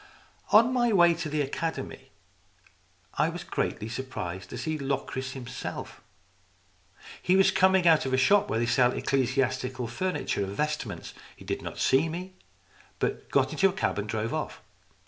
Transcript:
On my way to the Academy I was greatly sur prised to see Locris himself. He was coming out of a shop where they sell ecclesiastical furniture and vestments. He did not see me, but got into a cab and drove off.